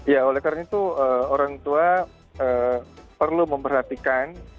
ya oleh karena itu orang tua perlu memperhatikan